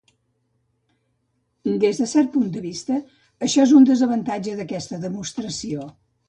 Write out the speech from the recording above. Des de cert punt de vista això és un desavantatge d'aquesta demostració.